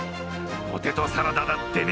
ポテトサラダだってね